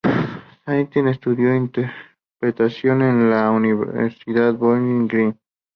Saint estudió interpretación en la Universidad de Bowling Green.